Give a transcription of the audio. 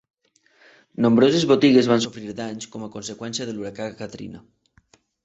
Nombroses botigues van sofrir danys com a conseqüència de l'huracà Katrina.